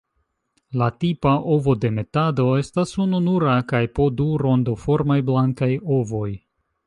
La tipa ovodemetado estas ununura kaj po du rondoformaj blankaj ovoj.